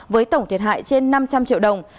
với tổng thiệt hại trên năm trăm linh triệu đồng